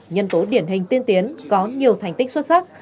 nhân tố điển hình tiên tiến có nhiều thành tích xuất sắc